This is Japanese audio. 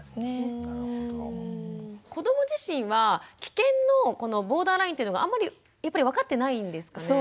子ども自身は危険のこのボーダーラインっていうのがあんまりやっぱり分かってないんですかね？